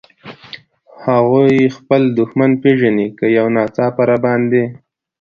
هغوی خپل دښمن پېژني، که یو ناڅاپه را باندې.